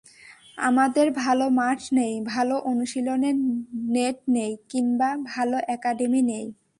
আমাদের ভালো মাঠ নেই, ভালো অনুশীলনের নেট নেই কিংবা ভালো একাডেমি নেই।